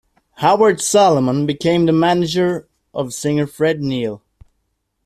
Howard Solomon became the manager of singer Fred Neil.